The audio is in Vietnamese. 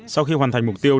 sau khi hoàn thành mục tiêu